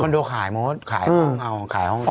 คอนโดขายหมดขายห้อง